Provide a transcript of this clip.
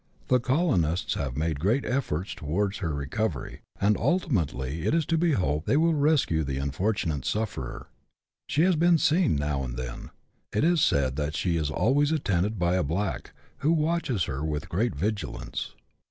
The colonists have made great efforts towards her recovery, and ultimately it is to be hoped they will rescue the unfortunate sufferer. She has been seen now and then. It is said that she is always attended by a black, who watches her with great vigi lance.